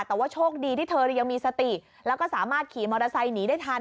แต่ว่าโชคดีที่เธอยังมีสติแล้วก็สามารถขี่มอเตอร์ไซค์หนีได้ทัน